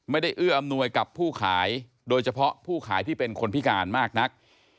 เอื้ออำนวยกับผู้ขายโดยเฉพาะผู้ขายที่เป็นคนพิการมากนัก